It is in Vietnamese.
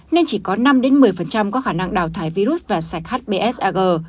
nên chỉ có năm một mươi có khả năng đào thải virus và sạch hbs ag